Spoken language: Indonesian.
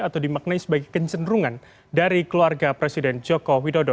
atau dimaknai sebagai kecenderungan dari keluarga presiden joko widodo